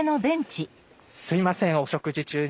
すいませんお食事中に。